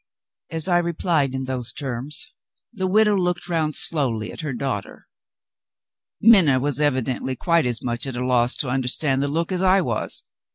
As I replied in those terms the widow looked round slowly at her daughter. Minna was evidently quite as much at a loss to understand the look as I was.